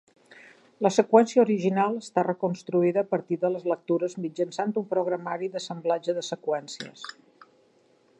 La seqüència original està reconstruïda a partir de les lectures mitjançant un programari d'assemblatge de seqüències.